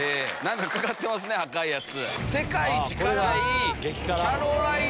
かかってますね赤いやつ。